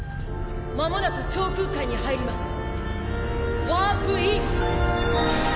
「まもなく超空間に入ります」「ワープ・イン」